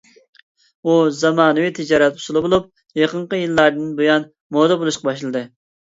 ئۇ زامانىۋى تىجارەت ئۇسۇلى بولۇپ، يېقىنقى يىللاردىن بۇيان مودا بولۇشقا باشلىدى.